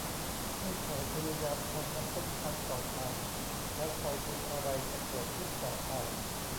ให้เขาพยายามทำน้ำส้มคั้นต่อไปแล้วคอยดูอะไรจะเกิดขึ้นต่อไป